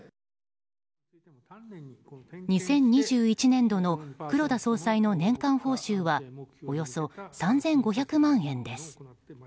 ２０２１年度の黒田総裁の年間報酬はおよそ３５００万円です。